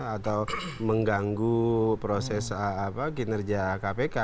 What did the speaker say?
atau mengganggu proses kinerja kpk